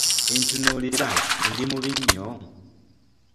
Ntunulira, ndi mubi nnyo?